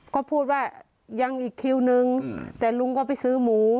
ก็พูดว่ายังอีกคิวนึงแต่ลุงก็ไปซื้อหมู